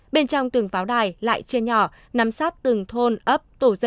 bên trong từng pháo đài lại chia nhỏ nắm sát từng thôn ấp